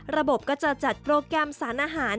ระบบก็จะจัดโปรแกรมสารอาหาร